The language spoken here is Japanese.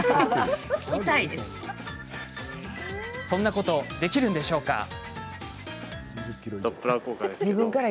そんなことできるのでしょうか？